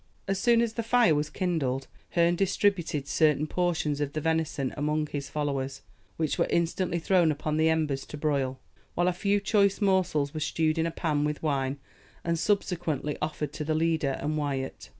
As soon as the fire was kindled, Herne distributed certain portions of the venison among his followers, which were instantly thrown upon the embers to broil; while a few choice morsels were stewed in a pan with wine, and subsequently offered to the leader and Wyat.